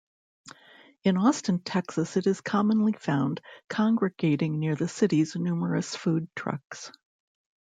In Austin, Texas, it is commonly found congregating near the city's numerous food trucks.